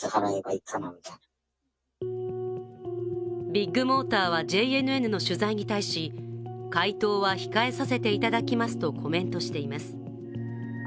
ビッグモーターはＪＮＮの取材に対し回答は控えさせていただきますとコメントしています。